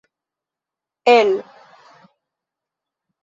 el